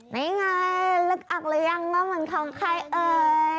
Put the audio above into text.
นี่ไงลึกอักหรือยังว่ามันของใครเอ่ย